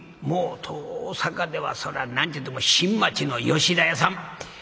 もう大坂ではそらちゅうても新町の吉田屋さん！